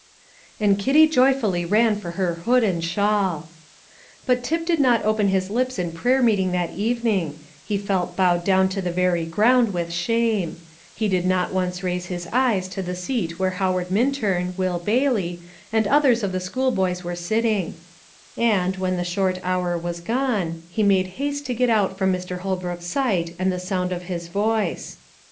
And Kitty joyfully ran for her hood and shawl. But Tip did not open his lips in prayer meeting that evening; he felt bowed down to the very ground with shame; he did not once raise his eyes to the seat where Howard Minturn, Will Bailey, and others of the schoolboys were sitting; and, when the short hour was gone, he made haste to get out from Mr. Holbrook's sight and the sound of his voice.